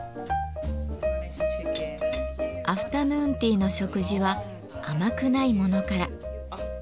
アフタヌーンティーの食事は甘くないものから。